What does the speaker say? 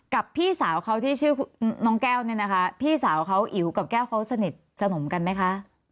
พี่สาวเขาที่ชื่อน้องแก้วเนี่ยนะคะพี่สาวเขาอิ๋วกับแก้วเขาสนิทสนมกันไหมคะ